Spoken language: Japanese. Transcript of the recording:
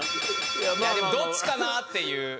でもどっちかな？っていう。